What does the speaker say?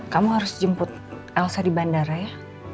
kamu harus jemput elsa di bandara ya